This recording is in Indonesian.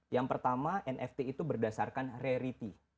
yang pertama nft itu berdasarkan reality